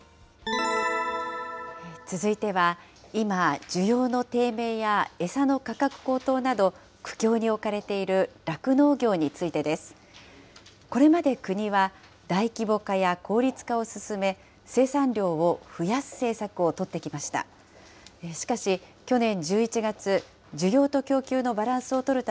続いては、今、需要の低迷や餌の価格高騰など、苦境に置かれている酪農業についてです。これまで国は、大規模化や効率化を進め、生産量を増やす政策を取ってきました。